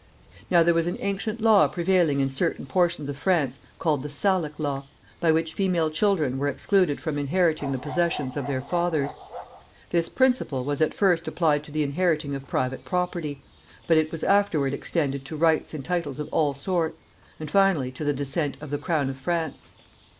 Now there was an ancient law prevailing in certain portions of France, called the Salic law,[C] by which female children were excluded from inheriting the possessions of their fathers. This principle was at first applied to the inheriting of private property, but it was afterward extended to rights and titles of all sorts, and finally to the descent of the crown of France.